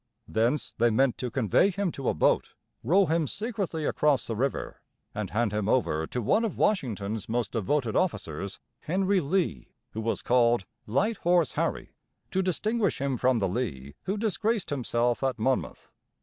Thence they meant to convey him to a boat, row him secretly across the river, and hand him over to one of Washington's most devoted officers, Henry Lee, who was called "Light Horse Harry," to distinguish him from the Lee who disgraced himself at Monmouth.